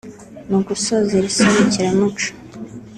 Mu gusoza iri serukiramuco